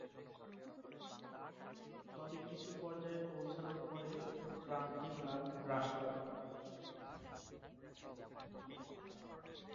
তবে কিছু পর্যায়ে পৌঁছানোর পরে, প্রান্তিক লাভ হ্রাস পাবে।